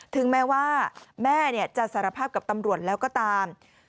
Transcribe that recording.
ถึงแม้ว่าแม่จะสารภาพกับตำรวจแล้วก็ตาม